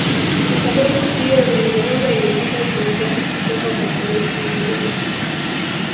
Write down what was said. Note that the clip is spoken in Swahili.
Kwa sababu iyo Uingereza ilipata upinzani kutoka kwa mataifa mengine